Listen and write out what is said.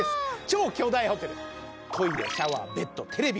超巨大ホテル。